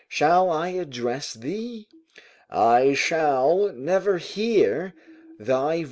Shall I address thee? I shall never hear thy voice.